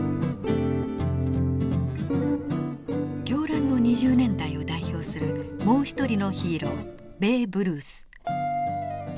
狂乱の２０年代を代表するもう一人のヒーローベーブ・ルース。